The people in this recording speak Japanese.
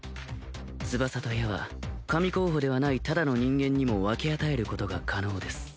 翼と矢は神候補ではないただの人間にも分け与えることが可能です